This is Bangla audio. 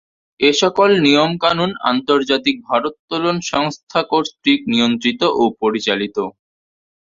এ সকল নিয়ম-কানুন আন্তর্জাতিক ভারোত্তোলন সংস্থা কর্তৃক নিয়ন্ত্রিত ও পরিচালিত।